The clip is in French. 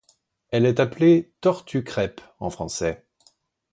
Elle est appelée Tortue crêpe en français.